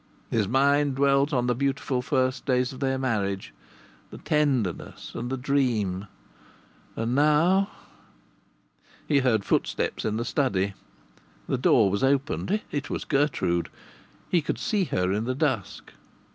His mind dwelt on the beautiful first days of their marriage, the tenderness and the dream! And now ! He heard footsteps in the study; the door was opened! It was Gertrude! He could see her in the dusk.